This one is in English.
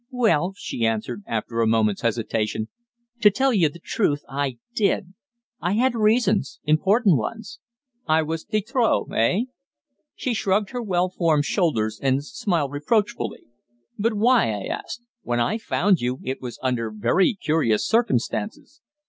"Well," she answered, after a moment's hesitation, "to tell the truth, I did. I had reasons important ones." "I was de trop eh?" She shrugged her well formed shoulders, and smiled reproachfully. "But why?" I asked. "When I found you, it was under very curious circumstances.